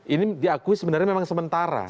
ini diakui sebenarnya masalah penataan tanah abang